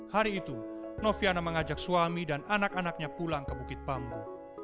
hari itu noviana mengajak suami dan anak anaknya pulang ke bukit bambu